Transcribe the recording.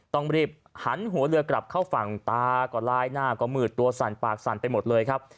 ต้องรีบหันหัวเรือกลับเข้าฝั่งตาก็ลายหน้าก็มืดตัวสั่นปากสั่นไปหมดเลยครับ